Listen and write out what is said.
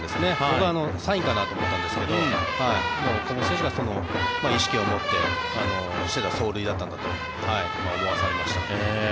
僕はサインかなと思ったんですが岡本選手がその意識を持って走塁だったんだと思わされました。